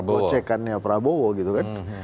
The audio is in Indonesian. ocekannya prabowo gitu kan